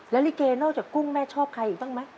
แล้วลิเกนอกจากกุ้งแม่ชอบใครอีกบ้างไหม